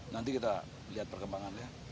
nanti kita lihat perkembangannya